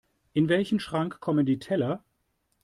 In welchen Schrank kommen die Teller?